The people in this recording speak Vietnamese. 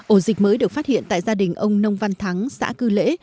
ổ dịch mới được phát hiện tại gia đình ông nông văn thắng xã cư lễ